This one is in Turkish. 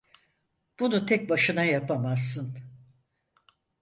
Bunu tek başına yapamazsın.